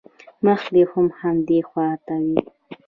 مخ دې هم همدې خوا ته وي.